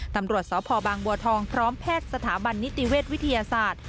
ตำรวจสพบางบัวทองพร้อมแพทย์สถาบันนิติเวชวิทยาศาสตร์